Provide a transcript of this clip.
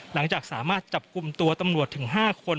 หลังจากสามารถจับกลุ่มตัวตำรวจถึง๕คน